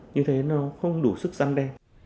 như thế nó không đủ sức săn đen